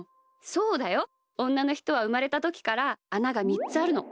そうだよ。おんなのひとはうまれたときからあなが３つあるの。